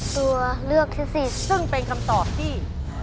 ตัวเลือกที่๔ซึ่งเป็นคำตอบที่